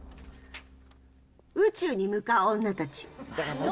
宇宙に向かう妻たち。